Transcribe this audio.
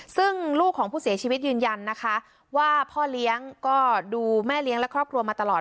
ซึ่งลูกของผู้เสียชีวิตยืนยันนะคะว่าพ่อเลี้ยงก็ดูแม่เลี้ยงและครอบครัวมาตลอด